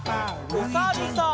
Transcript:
おさるさん。